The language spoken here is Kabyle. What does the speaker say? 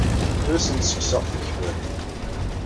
Ur asen-ttekkseɣ tikbert.